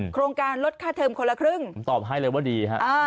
โครงการลดค่าเทิมคนละครึ่งตอบให้เลยว่าดีฮะ